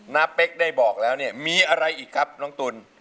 เป๊กได้บอกแล้วเนี่ยมีอะไรอีกครับน้องตุ๋น